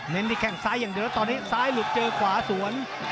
ที่แข้งซ้ายอย่างเดียวตอนนี้ซ้ายหลุดเจอขวาสวน